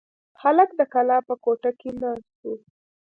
هلک د کلا په کوټه کې ناست و.